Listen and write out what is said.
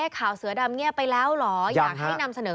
ข่าวเสือดำเงียบไปแล้วเหรออยากให้นำเสนอ